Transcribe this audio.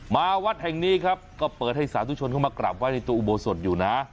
วัดแห่งนี้ครับก็เปิดให้สาธุชนเข้ามากราบไว้ในตัวอุโบสถอยู่นะ